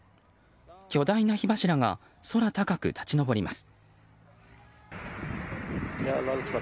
巨大な火柱が空高く立ち上ります。